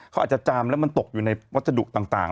เขาอาจจะจามแล้วมันตกอยู่ในวัสดุต่าง